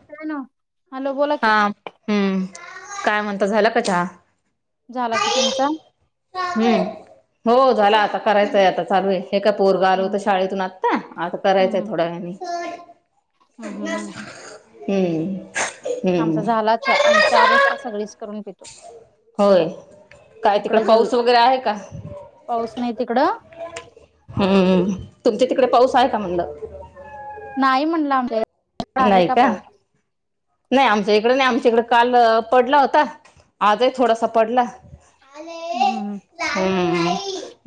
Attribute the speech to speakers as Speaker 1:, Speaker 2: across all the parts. Speaker 1: काय ना हॅलो बोला की
Speaker 2: हा हम्म काय म्हणता झालं का चहा
Speaker 1: झाला कि तुमचा
Speaker 2: हम्म हो झाला आता करायचंय आता चालू आहे हे काय पोरगा आलो होत
Speaker 1: हम्म
Speaker 2: शाळेतून आत्ता आता करायचंय
Speaker 1: हम्म
Speaker 2: थोड्या वने
Speaker 1: हम्म हम्म
Speaker 2: हम्म हम्म
Speaker 1: आमचा झाला चहा आम्ही चार वाजता सगळीच करून पेतो
Speaker 2: होय काय तिकड
Speaker 1: जल
Speaker 2: पाऊस वगैरे आहे का
Speaker 1: पाऊस नाही तिकडं
Speaker 2: हम्म तुमच्या तिकडे पाऊस आहे का म्हणलं
Speaker 1: नाही म्हणलं आमच्या आहे का पाऊस
Speaker 2: नाही आमच्या इकड नाही आमच्या इकडे काल पडला होता आजही थोडासा पडला अले
Speaker 1: हम्म
Speaker 2: लाई हम्म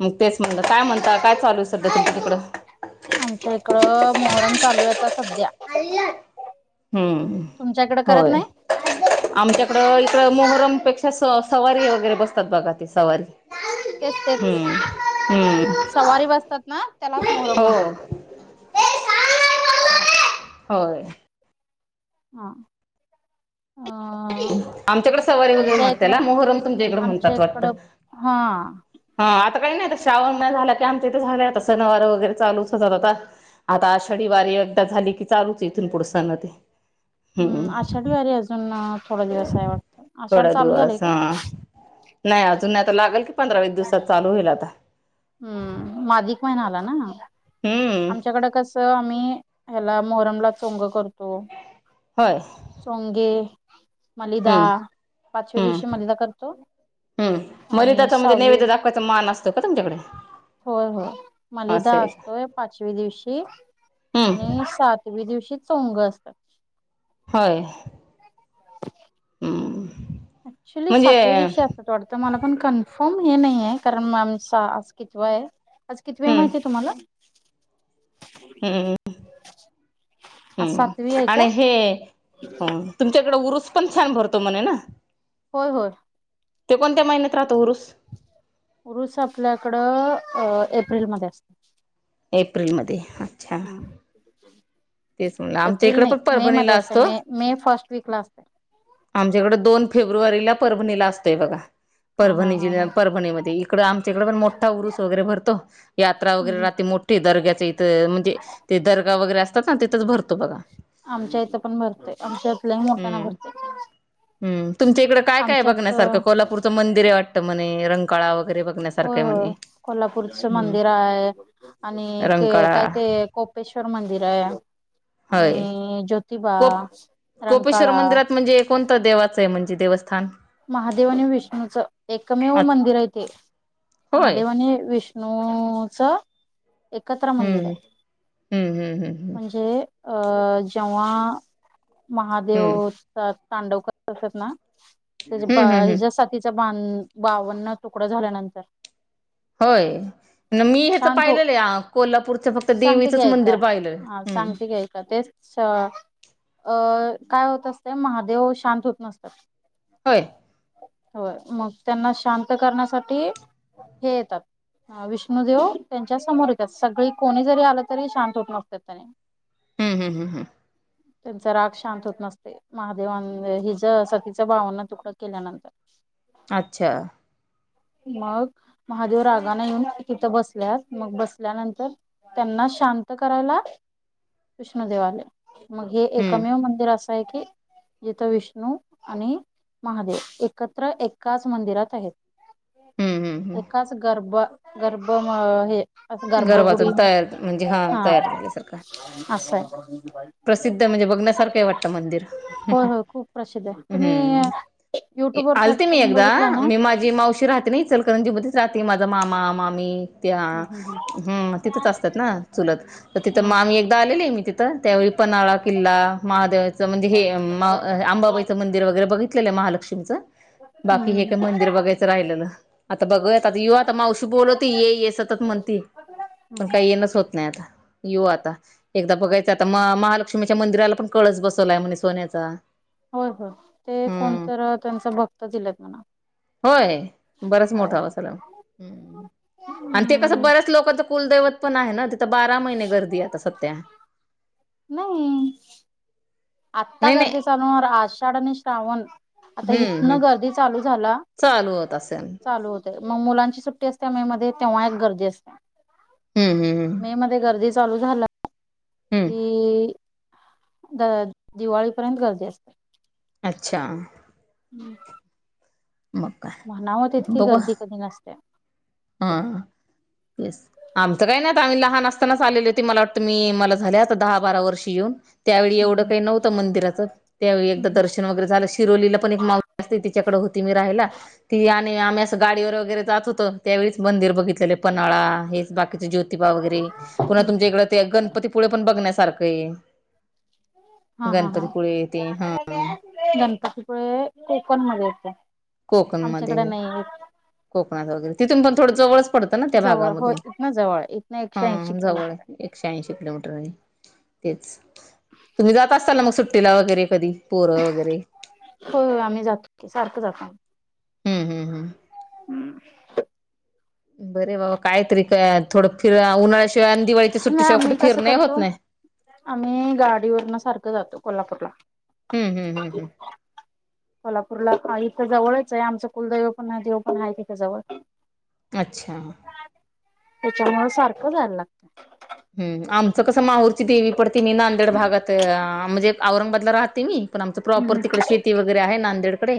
Speaker 2: मग तेच म्हणत काय म्हणता काय चालू आहे सध्या तुमच्या तिकडं
Speaker 1: आमच्या इकडं मोहरम चालू आहे आता सध्या
Speaker 2: हम्म
Speaker 1: तुमच्याकडे करत
Speaker 2: होय
Speaker 1: नाही
Speaker 2: आमच्याकडं इकड मोहरम पेक्षा स सवारी वगैरे बसतात बघा ते सवारी
Speaker 1: तेच तेच
Speaker 2: हम्
Speaker 1: सवारी बसतात ना त्यालाच मोहरम
Speaker 2: हो
Speaker 1: म्हणतात
Speaker 2: होय
Speaker 1: हा अ
Speaker 2: आमच्याकडे सवारी वगैर
Speaker 1: आमच्या
Speaker 2: म
Speaker 1: इकडं
Speaker 2: त्याला मोहरम तुमच्या इकडे
Speaker 1: आमच्या
Speaker 2: म्हणतात वाटत
Speaker 1: इकडं हा
Speaker 2: आता काही नाही श्रावण झाला की आमच्या इथे झाल्या आता सनवार वगैरे चालूच होतात आता आता आषाढी वारी एकदा झाली की चालूच इथून पुढ सन ते
Speaker 1: हम्
Speaker 2: हम्म.
Speaker 1: आषाढ वारी अजून थोडा दिवस आहे वाटतं आषाढ
Speaker 2: थोडा
Speaker 1: चालू झालंय
Speaker 2: दिवस
Speaker 1: का
Speaker 2: हा. नाही अजून नाही आता लागेल कि पंधरा वीस दिवसात चालू होईल आता
Speaker 1: हम्म मग अधिक महिनला ना
Speaker 2: हम्म
Speaker 1: आमच्याकडें कसं आम्ही ह्याला मोहरम ला चोंग करतो
Speaker 2: होय.
Speaker 1: चोंगे मलिदा
Speaker 2: हम्म
Speaker 1: पाचव्या दिवशी मलिदा करतो
Speaker 2: हम्
Speaker 1: आणि
Speaker 2: मलीदाचा म्हणजे
Speaker 1: सहावी
Speaker 2: नैवेद्य दाखवायचा मान असतो का तमच्याक
Speaker 1: होय हो मलिदा
Speaker 2: असं आहे का
Speaker 1: असतोय पाचवी दिवशी
Speaker 2: हम्म
Speaker 1: आणि सातवी दिवशी चोंग असतात
Speaker 2: होय हम्म
Speaker 1: ऍक्च्युली
Speaker 2: म्हणजे
Speaker 1: सातव्या दिवशी असतात वाटते मला पण कन्फर्म हे नाही आहे कारण मॅमचा आज किती व आहे आज किती वळ
Speaker 2: हम्म
Speaker 1: माहिती आहे तुम्हाला
Speaker 2: हम्म
Speaker 1: आज
Speaker 2: हम्
Speaker 1: सातवी आहे का
Speaker 2: आणि हे तुमच्याकडं उरूस पण छान भरतो म्हणे ना
Speaker 1: होय होय
Speaker 2: ते कोणत्या महिन्यात राहतो उरुस
Speaker 1: उरूस आपल्याकडं अ एप्रिलमध्येध्ये असत
Speaker 2: एप्रिलमध्येध्ये
Speaker 1: हम्म
Speaker 2: तेच म्हणलं आमच्या
Speaker 1: एप्रिल
Speaker 2: इकडं
Speaker 1: नाही
Speaker 2: पण
Speaker 1: मे
Speaker 2: परभणीला
Speaker 1: मध्ये असते
Speaker 2: असतो
Speaker 1: मे मे फर्स्ट वीकला असते
Speaker 2: आमच्याकडे दोन फेब्रुवारीला परभणीला असतोय बघा
Speaker 1: हा हा
Speaker 2: परभणी
Speaker 1: हा
Speaker 2: जिल
Speaker 1: हा
Speaker 2: परभणीमध्ये इकड आमच्या इकडे पण मोठा उऊरुस वगैरे भरतो यात्रा
Speaker 1: हम्म
Speaker 2: वगैरे्री मोठे दर्ग्याचे इथ म्हणजे ते दर्गा वगैरे अस
Speaker 1: आमच्या इथं पण भरते आमच्या इथलाही मोठ्याना भरते
Speaker 2: हम् तुमच्या इकड काय काय
Speaker 1: आमच्यात
Speaker 2: बघण्यासारखं कोल्हापूरचं मंदिर आहे वाटतं म्हणे रंकाळा वगैर सरे
Speaker 1: कोल्हापूरच मंदिर आहे आणि
Speaker 2: रंकाळा
Speaker 1: काय ते कोपेश्वर मंदिर आहे आणि जो
Speaker 2: को कोपेश्वर मंदिरात म्हणजे कोणता देवाचं आहे म्हणजे देवस्थान
Speaker 1: महादेव आणि विष्णूच एकमेव
Speaker 2: अ
Speaker 1: मंदिर आहे तेे
Speaker 2: होय
Speaker 1: महादेव आणि विष्णू नच एकत्र मंदिर
Speaker 2: हम्म
Speaker 1: आहे
Speaker 2: हम्म हम्म हम्म
Speaker 1: म्हणजे अं जेव्हा महादेव
Speaker 2: हम्म
Speaker 1: असतात तांडवकर असात ना
Speaker 2: हम्म
Speaker 1: त्या
Speaker 2: हम्म हम्म
Speaker 1: हिच्या साथीचा बावन्न तुकडा झाल्यानंतर
Speaker 2: होय न मी हे तर
Speaker 1: शांत हो
Speaker 2: पाहिलेलं आहे कोल्हापूरच फक्त
Speaker 1: सांगते की
Speaker 2: देवीचंच मंदिर पाहिलं हम्
Speaker 1: अचछ अ काय होत असते महादेव शांत होत नसतात
Speaker 2: हय
Speaker 1: हो मग त्यांना शांत करण्यासाठी हे येतात अ विष्णुदेव त्यांच्या समोर येतात सगळी कोणी जरी आलं तरी शांत होत नसतात त्याने
Speaker 2: हम्म हम्म हम्म हम्म
Speaker 1: त्यांचा राग शांत होत नसते महादेव हि ज सतीच भावना तुकड केल्यानंतर
Speaker 2: अच्छा
Speaker 1: मग महादेव रागाने येऊन तिथं बसल्यात मग बसल्यानंतर त्यांना शांत करायला विष्णू देेवाले मग हे
Speaker 2: हम्म
Speaker 1: एकमेव मंदिर असं आहे की जिथं विष्णू आणि महादेव एकत्र एकाच मंदिरात आहेत
Speaker 2: हम्म हम्म हम्म
Speaker 1: एकाच गरभ गर्भम हे
Speaker 2: गर्भातून
Speaker 1: गर्भगुडी
Speaker 2: तयार म्हणजे
Speaker 1: हा
Speaker 2: तयार झाल्यासारखा
Speaker 1: असंय
Speaker 2: प्रसिद्ध म्हणजे बघण्यासारखं आहे वाटतं मंदिर
Speaker 1: हो हो खूप प्रसिद्ध आहे तुम्ही
Speaker 2: हम्म
Speaker 1: युट्यूबवरर सर्च
Speaker 2: आलते मी
Speaker 1: करून
Speaker 2: एकदा
Speaker 1: बघितला ना
Speaker 2: राात मद मामा मामी त्या
Speaker 1: मग
Speaker 2: हम तिथंच असतात ना चुलत तर तिथं
Speaker 1: हम्म
Speaker 2: मामी एकदा आलेली आहे मी तिथं त्यावेळी पन्हाळ्याच्या किल्ला महादेवाचं म्हणजे हे आंबाबाईचं मंदिर वगैरे बघितलेलं आहे महालक्ष्मीच बाकी हे काय मंदिर बघायचं राहिलं ना आता बघ आ युवा आता मावशी बोलवती ये ये सतत म्हणती पण
Speaker 1: हम्म
Speaker 2: काही येणच होत नाही आता येऊ आता एकदा बघायचं आता म महालक्ष्मीच्या मंदिराला पण कळस बसवलाय म्हणज सोन्याचा
Speaker 1: हो हो ते
Speaker 2: हम्म
Speaker 1: कोणत त्यांच भक्त दिलेत म्हणा
Speaker 2: होय बराच
Speaker 1: होय
Speaker 2: मोठा ह असला आणि ते कसं
Speaker 1: हम्म
Speaker 2: बऱ्याच लोकांच कुल पण आहे ना तिथं बारा महिने गर्दी आता सध्या
Speaker 1: नाही आत्ता
Speaker 2: नाही नाही
Speaker 1: गर्दी चालणार आषाढ आणि श्रावण आता
Speaker 2: हम्म हम्म
Speaker 1: इथनं गर्दी चालू झाला
Speaker 2: चालू होत असेल
Speaker 1: चालू होते मग मुलांची सुट्टी असते मेध्ये तेव्हा एक गर्दी असते
Speaker 2: हम्म हम्म
Speaker 1: मे मध्ये गर्दी चालू झालं
Speaker 2: हम्म
Speaker 1: कि द दिवाळीपर्यंत गर्दी असते
Speaker 2: अच्छा
Speaker 1: हम्म
Speaker 2: मग काय
Speaker 1: म्हणावत इतकी
Speaker 2: बघू
Speaker 1: गर्दी कधी नसते
Speaker 2: हा आमचं काही नाही आम्ही लहान असतानाच आलेली होते मला वाटतं मी मला झाले आता दहा बारा वर्ष कृषून त्यावेळी एवढं काही नव्हतं मंदिराचं त्यावेळी एकदा दर्शन वगैरे झालं शिरोलीला पण एक माव अस तिच्याकडे होत ती आणि आम्ही असं गाडीवर वगैरे जात होत त्यावेळीच मंदिर बघितले पन्हाळा हेच बाकीचे जोतिबा वगैरे पुन्हा तुमच्या इकडे ते गणपतीपुळे पण बघण्यास सारखंही
Speaker 1: हा हा हा
Speaker 2: हा
Speaker 1: गणपतीपळे कोकण मध्ये येत
Speaker 2: कोकणमध्ये
Speaker 1: आमच्याकडे नाही य
Speaker 2: कोकणात वगैरे तिथून पण थोडं जवळच पडतं ना त्या
Speaker 1: जवळ हो
Speaker 2: भागामधून
Speaker 1: इथन जवळ इथन एकशे ऐंशी
Speaker 2: हा जवळ
Speaker 1: किलोमीटर
Speaker 2: एकशे ऐंशी किलोमीटर आहे तेच तुम्ही जात असताल ना मग सुट्टीला वगैरे कधी पोरं वगैरे
Speaker 1: हो हो आम्ही जातो सारखं जातो
Speaker 2: हम्म हम्म हम्म
Speaker 1: हम्म
Speaker 2: बरे बाबा कायतरी थोडं फिर उन्हाळ्या
Speaker 1: नाही आम्ही कसं करतो आम्ही गाडीवरन सारखं जातो कोल्हापूरला
Speaker 2: हम्म हम्म हम्म हम्म
Speaker 1: कोल्हापूरला हा इथं जवळच आहे आमचं कुलदैव पण देव पण आहे तिथे जवळ
Speaker 2: अच्छा
Speaker 1: त्याच्यामुळे सारखं जायला लागतं
Speaker 2: हम आमचं कसं माहूरची देवी पडते मी नांदेड भागात म्हणजे औरंगाबाद राहते मी पण आमच प्रॉपर
Speaker 1: हम्म
Speaker 2: तिकडे शेती वगैरे आहे नांदेडकडे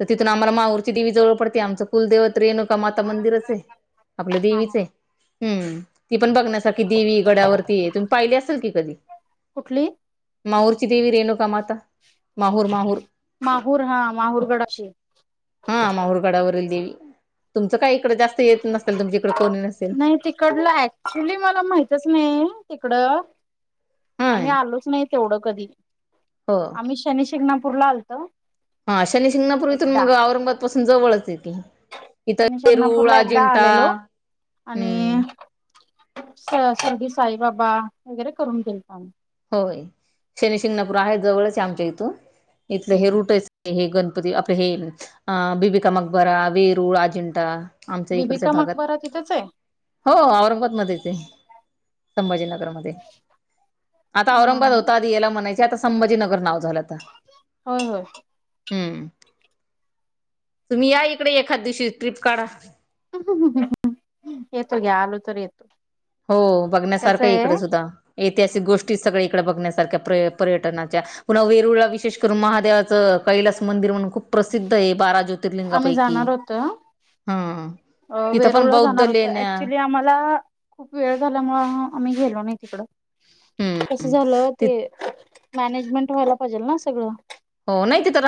Speaker 2: तर तिथून
Speaker 1: हा
Speaker 2: आम्हाला माऊरची दिवी जवळ पडते आमचं कुलदैवत रेणुका का माता मंदिरचे आपल्या
Speaker 1: हा हा
Speaker 2: देवीचे हम्म ती पण ब की देवी गडावरती तुम्ही पाहिली असेल की कधी
Speaker 1: कुठली
Speaker 2: माहूरची देवी रेणुका माता माहूर माहूर
Speaker 1: माहूर हा माहूरगडाची
Speaker 2: हा माहुरगडावरील देवी तुमचं काय इकडे जास्त येत नसेल तुमच्या इकडे कोणी नसेल
Speaker 1: नाही तिकडल चुली मला माहितच नाही तिकडं
Speaker 2: हा
Speaker 1: आम्ही आलोच नाही तेवढं कधी
Speaker 2: हो
Speaker 1: आम्ही शनी शिंगणापूरला आलत
Speaker 2: हा शनी सिंगणापूर इथून मग औरंगाबाद पासून जवळच ये इथर
Speaker 1: शनी
Speaker 2: तेरूळ
Speaker 1: शिंगणापूरला एकदा
Speaker 2: अजिंठा
Speaker 1: आलेलो
Speaker 2: हम्म
Speaker 1: आणि शिर्डी साईबाबा वगैरे करून देई आम्ही
Speaker 2: होय शनी शिंगणापूर आहेत जवळच आमच्या इथून इथलं हे
Speaker 1: आम्ही
Speaker 2: रुटच हे गण आप हे अ बीबिका मकबरा वेरू राजजिंट आमच्या इकडच्या
Speaker 1: बिबिका
Speaker 2: भागात
Speaker 1: मकबरा तिथंच आहे
Speaker 2: हो औरंगाबादमध्येध्येच संभाजीनगरमध्ये आता औरंगबाद
Speaker 1: नाही
Speaker 2: होता आध याला म्हणायचे आता संभाजीनर नाव झालं आता
Speaker 1: होय ह
Speaker 2: हम्म तुम्ही या इकडे एखाद दिवशी ट्रिप काढा
Speaker 1: येतो घ्या आलो तर येतो
Speaker 2: हो
Speaker 1: कसं
Speaker 2: बघण्यासारखं
Speaker 1: आहे
Speaker 2: इकडे सुद्धा ऐतिहासिक गोष्टी सगळ इकड बघण्यासारख्या पर्यटना पुन्हा वेरुळ विशेष करून महादेव कैलास मंदिर म्हणून खूप प्रसिद्ध आहे बारा
Speaker 1: आम्ही
Speaker 2: ज्योतिर्लिंगापैकी हा तिथं
Speaker 1: वेरुळ
Speaker 2: पण
Speaker 1: ला
Speaker 2: बौद्ध
Speaker 1: जाणार होत
Speaker 2: लेण्या
Speaker 1: ऍक्च्युली आम्हाला खूप वेळ झाल्यामुळ आम्ही गेलो नाही तिकडं कस
Speaker 2: हम्म
Speaker 1: झालं
Speaker 2: तिथं
Speaker 1: ते मॅनेजमेंट व्हायला पाहिजेल ना सगळं
Speaker 2: हो नाही ते तर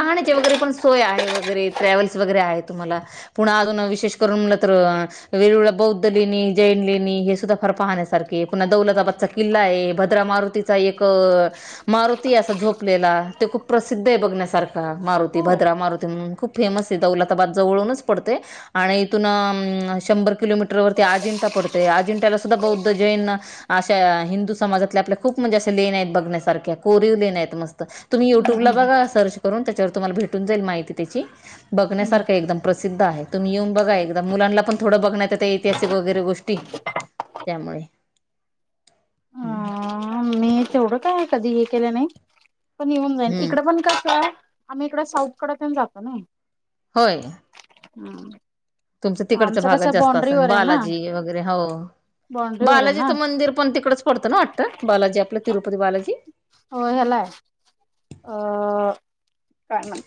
Speaker 2: करूग ला तर वेरूळला बौद्ध लेणी जैन लेणी हे सुधा फार पुन्हा दौलताबाद किल्ला आहे भद्रा मारुतीचा एक मारुती असा झोपलेला ते खूप प्रसिद्ध आहे बघण्यासारखा मारुती
Speaker 1: होय.
Speaker 2: भद्रा मारुती म्हणून खूप फेमस आहे दौलताबाद जवळूनच पडते आणि इथून शंभर किलोमीटरवरती आजिंठा अजिं्याला सुद्धा बौद्ध जैन अशा हिंदू समाजातले आपल्या खूप म्हणजे असे लेण्या आहेत बघण्यासाठी कोरीव लेण्या आहेत मस्त तुम्ही यू यूट्यूब ला
Speaker 1: हम्म
Speaker 2: बगा सर्च करून त्याच्यावर तुम्हाला भेटून जाईल माहिती त्याची बघण्यासारखं आहे एकदम प्रसिद्ध आहे तुम्ही येऊन बघा एकदा मुलांना पण थोडं बघण्यात येत ऐतिहासिक वगैरे गोष्टी त्यामुळे हम्
Speaker 1: अ तेवढं काय कधी हे केलं नाही पण येऊन जाईन
Speaker 2: हम्म
Speaker 1: इकड पण कसं हाय आम्ही इकड साऊथकडे तेन जातो ना
Speaker 2: होय
Speaker 1: हम्
Speaker 2: तुमच तिकडच् भागात जास्त असल
Speaker 1: आहे ना
Speaker 2: बालाजी वगैरे हो
Speaker 1: बाॉंड्रीवर आहे ना
Speaker 2: बालाजीचं मंदिर पण तिकडच पडतं ना वाटत बालाजी आपलं तिरुपती बालाजी
Speaker 1: हो हलाय अ काय नाय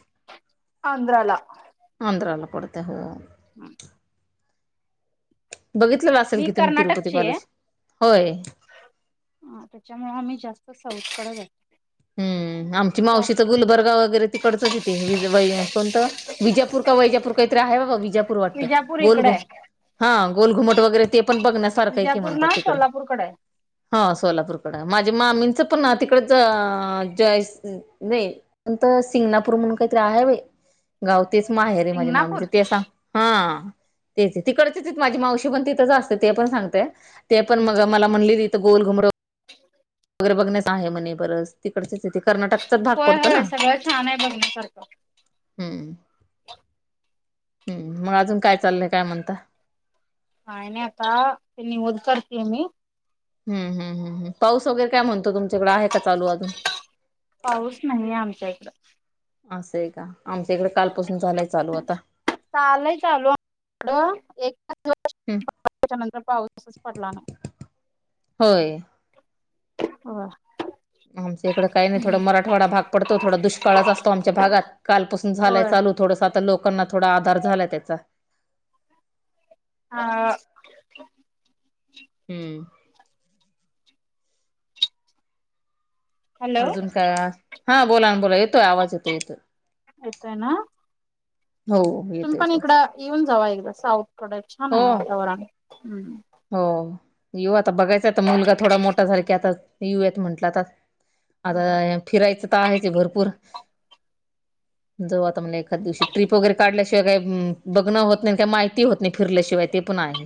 Speaker 1: अंद्रला
Speaker 2: आंध्रला पडतंय हो
Speaker 1: हम
Speaker 2: बघितलेलं असेल
Speaker 1: मी
Speaker 2: की तुम्ही
Speaker 1: कर्नाटकची
Speaker 2: तिरुपतीबालाजी होय
Speaker 1: ह त्याच्यामुळ आम्ही जास्त साऊथ कड जातो
Speaker 2: हम् आमची मावशी तर गुलबर्गा वगैरे तिकडचच येते कोणतं विजापूर का वैजापूर काहीतरी आहे बाबा विजापूर वाटतं
Speaker 1: विजापूर इकडे
Speaker 2: गोलगोम
Speaker 1: आहे.
Speaker 2: हा गोलघुमट वगैरे ते पण बघण्यासारखं आय की
Speaker 1: विजापूर ना
Speaker 2: म्हणतात तिकडे
Speaker 1: सोलापूरकडे आहे.
Speaker 2: हा सोलापूरकड माझे मामींचं पण तिकडच जय नाही प सिंगणापूर म्हणून काहीतरी आहे बाई गाव तेच माहेर आहे माझ्या
Speaker 1: सिंगणापूर
Speaker 2: मामीच ते सांग हा तेच तिकडचीच त माझी मावशी पण तिथंच असते ते पण सांगते ते पण
Speaker 1: हम्म.
Speaker 2: मग मला म्हणलीत गोल घुमरो बघण्यास आहे म्हणे बरं तीकडचंच
Speaker 1: होय होय सगळं छान आहे बघण्यासारखं
Speaker 2: हम्म हम्म मग अजून काय चालय काय म्हणता
Speaker 1: काय नाय आता ते निवद करतेय मी
Speaker 2: हम् हम् हम्म पाऊस वगैरे काय म्हणतो तुमच्या इकडें आहे का चालू अजून
Speaker 1: पाऊस नाहीे आमच्या इकडं
Speaker 2: असं आहे का आमच्या इकडे कालपासून झालाय चालू आता
Speaker 1: चालय चालू आड [unintelligible] एक
Speaker 2: हम्म
Speaker 1: त्याच्यानंतर पाऊस असच पडला नाही
Speaker 2: होय
Speaker 1: होय
Speaker 2: आमच्या इकडं काही नाही थोडा मराठवाडा भाग पडतो थोडा दुष्काळच असतो आमच्या भागात काय कालपसून झालाय
Speaker 1: होय
Speaker 2: चालू थोडस लोकांना थोडा आधार झालाय त्याचा
Speaker 1: हा
Speaker 2: हम्म [unintelligible]
Speaker 1: हॅलो
Speaker 2: अजून काय हा बोला ना बोला येतोय आवाज येतोय येतोय
Speaker 1: येतोय ना?
Speaker 2: हो
Speaker 1: तुम्ही
Speaker 2: येतो
Speaker 1: पण
Speaker 2: येतो
Speaker 1: इकडं येऊन जावा एकदा साऊथ कड छान आहे
Speaker 2: हो
Speaker 1: वातावरण ह्
Speaker 2: हो यू आता बघायचय आता मुलगा थोडा मोठा झाला की आता यू यात म्हटलं आता आता फिरायचं तर आहेचे भरपूर जव आता म्हणे एखाद दिवशी ट्रिप वगैरे काढल्याशिवाय काय बघणं होत नाही काही माहिती होत नाही फिरल्याशिवाय ते पुना आहे